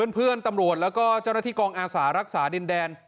เพื่อนตำรวจแล้วก็เจ้าหน้าที่กองอาสารักษาดินแดน